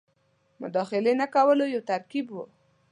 مداخلې نه کولو یو ترکیب وو.